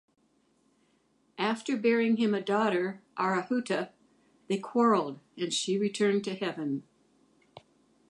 After bearing him a daughter, Arahuta, they quarreled and she returned to heaven.